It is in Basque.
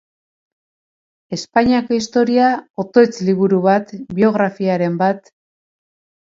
Espainiako historia, otoitz-liburu bat, biografiaren bat...